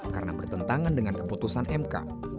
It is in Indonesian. karena bertentangan dengan keputusan mk